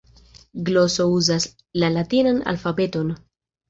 Gloso uzas la latinan alfabeton.